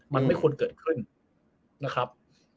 มันไม่ควรเกิดขึ้นนะครับ